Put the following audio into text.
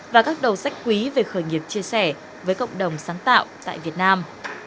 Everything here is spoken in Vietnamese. và các đầu sách quý về khởi nghiệp chia sẻ với cộng đồng sáng tạo tại việt nam